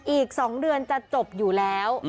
อีกสองเหลือจะจบอยู่แล้ว